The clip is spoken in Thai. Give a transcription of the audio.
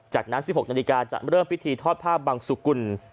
จากนั้น๑๖นาฬิกาจะเริ่มพิธีทอดภาพบังสุกุล